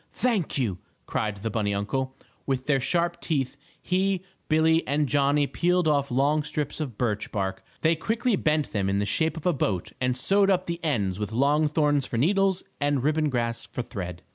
Thank you!" cried the bunny uncle. With their sharp teeth he, Billie and Johnnie peeled off long strips of birch bark. They quickly bent them in the shape of a boat and sewed up the ends with long thorns for needles and ribbon grass for thread.